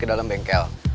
ke dalam bengkel